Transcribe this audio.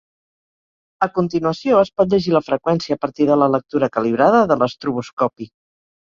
A continuació, es pot llegir la freqüència a partir de la lectura calibrada de l'estroboscopi.